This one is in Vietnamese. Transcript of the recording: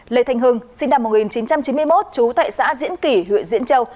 lê thanh hưng sinh năm một nghìn chín trăm chín mươi một trú tại xã diễn kỷ huyện diễn châu